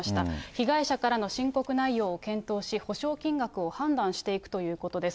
被害者からの申告内容を検討し、補償金額を判断していくということです。